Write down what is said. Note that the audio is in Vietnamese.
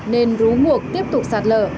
nên rú ngược tiếp tục sạt lờ